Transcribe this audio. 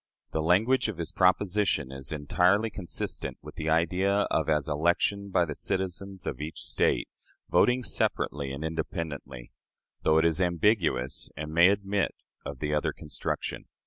The language of his proposition is entirely consistent with the idea of as election by the citizens of each State, voting separately and independently, though it is ambiguous, and may admit of the other construction.